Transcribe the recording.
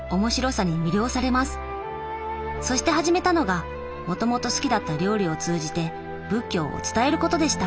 そして始めたのがもともと好きだった料理を通じて仏教を伝えることでした。